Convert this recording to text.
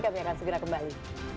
kami akan segera kembali